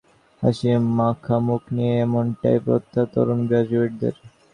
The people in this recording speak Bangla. চোখে-মুখে সেই স্বপ্ন আটকে হাসিমাখা মুখ নিয়ে এমনটাই প্রত্যয় তরুণ গ্র্যাজুয়েটদের।